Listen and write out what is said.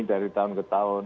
dari tahun ke tahun